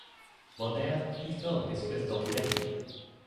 While there he filmed his first documentary.